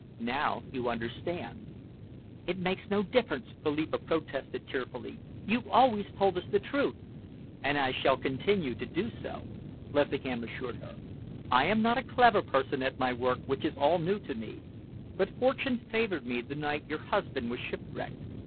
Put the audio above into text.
Now you understand." "It makes no difference," Philippa protested tearfully. "You always told us the truth." "And I shall continue to do so," Lessingham assured her. "I am not a clever person at my work which is all new to me, but fortune favoured me the night your husband was shipwrecked.